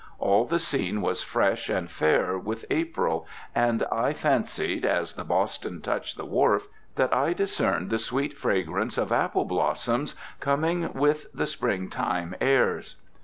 All the scene was fresh and fair with April, and I fancied, as the Boston touched the wharf, that I discerned the sweet fragrance of apple blossoms coming with the spring time airs.